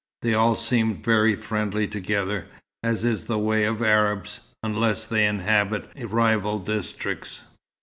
They all seemed very friendly together, as is the way of Arabs, unless they inhabit rival districts.